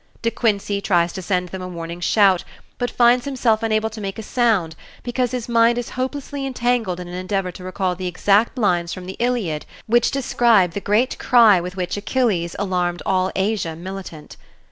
De Quincey tries to send them a warning shout, but finds himself unable to make a sound because his mind is hopelessly entangled in an endeavor to recall the exact lines from the Iliad which describe the great cry with which Achilles alarmed all Asia militant.